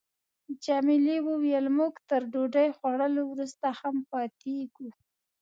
جميلې وويل: موږ تر ډوډۍ خوړلو وروسته هم پاتېږو.